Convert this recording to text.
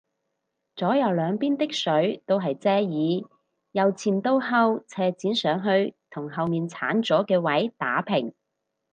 左右兩邊的水都係遮耳，由前到後斜剪上去到同後面剷咗嘅位打平